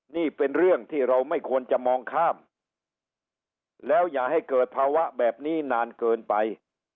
นี่เป็นเรื่องที่เราไม่ควรจะมองข้ามแล้วอย่าให้เกิดภาวะแบบนี้นานเกินไป